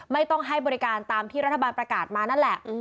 ไม่ต้องให้บริการตามที่รัฐบาลประกาศมานั่นแหละ